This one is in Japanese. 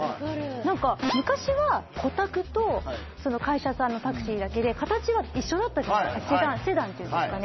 何か昔は個タクと会社さんのタクシーだけで形は一緒だったセダン？セダンっていうんですかね